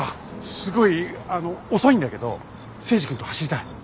すごいあの遅いんだけど征二君と走りたい。